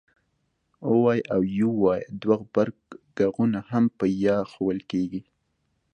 د oy او uy دوه غبرګغږونه هم په ی ښوول کېږي